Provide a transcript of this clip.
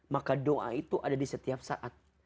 maka doa itu ada di setiap saat